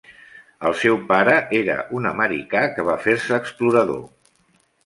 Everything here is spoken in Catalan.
El seu pare era un americà que va fer-se explorador.